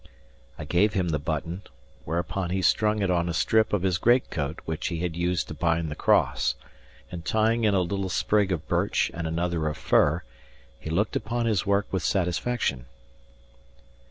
I gave him the button; whereupon he strung it on a strip of his great coat which he had used to bind the cross; and tying in a little sprig of birch and another of fir, he looked upon his work with satisfaction.